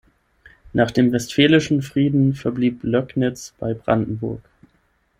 Nach dem Westfälischen Frieden verblieb Löcknitz bei Brandenburg.